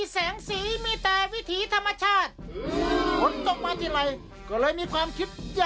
สไลด์เดอร์